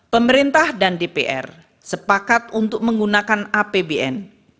pemerintah dan dpr sepakat untuk menggunakan apbn